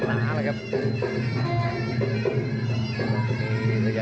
แรงัยแรงพิวุดหนา